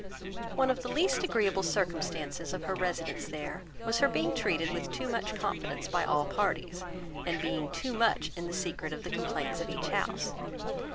One of the least agreeable circumstances of her residence there was her being treated with too much confidence by all parties, and being too much in the secret of the complaints of each house.